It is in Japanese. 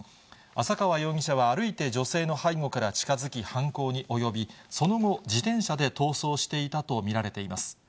浅川容疑者は歩いて女性の背後から近づき犯行に及び、その後、自転車で逃走していたと見られています。